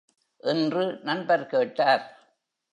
என்று நண்பர் கேட்டார்.